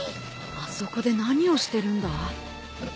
あそこで何をしてるんだ？